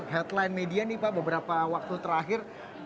headline media nih pak beberapa waktu terakhir